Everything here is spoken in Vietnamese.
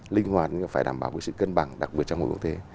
linh hoạt phải đảm bảo sự cân bằng đặc biệt trong môi quốc tế